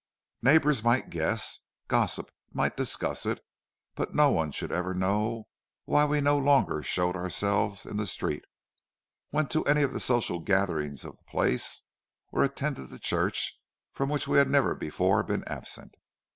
Neighbors might guess, gossips might discuss it, but no one should ever know why we no longer showed ourselves in the street, went to any of the social gatherings of the place, or attended the church from which we had never before been absent.